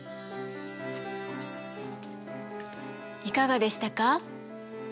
いかがでしたか？